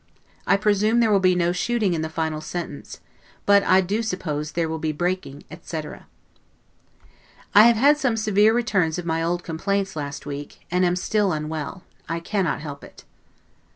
I presume there will be no shooting in the final sentence; but I do suppose there will be breaking, etc. I have had some severe returns of my old complaints last week, and am still unwell; I cannot help it.